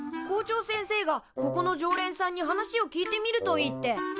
校長先生が「ここの常連さんに話を聞いてみるといい」って。